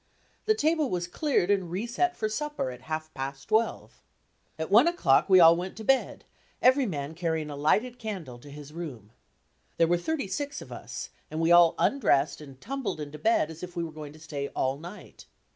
The table was cleared and re set for supper at half past twelve. At one o'clock we all went to bed, every man carrying a lighted candle to his room. There were thirty six of us and we all undressed and tumbled into bed as if we were going to stay all night.